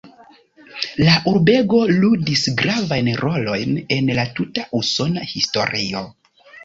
La urbego ludis gravajn rolojn en la tuta usona historio.